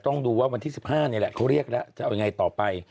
ต้องดูว่าวันที่๑๕นี่แหละเขาเรียกแล้วจะเอายังไงต่อไป